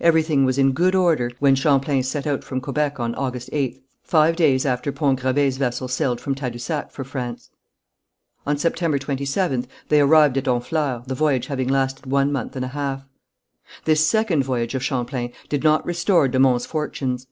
Everything was in good order when Champlain set out from Quebec on August 8th, five days after Pont Gravé's vessel sailed from Tadousac for France. On September 27th they arrived at Honfleur, the voyage having lasted one month and a half. This second voyage of Champlain did not restore de Monts' fortunes.